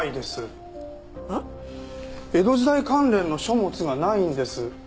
江戸時代関連の書物がないんです。